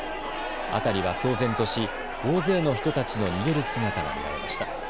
辺りは騒然とし大勢の人たちの逃げる姿が見られました。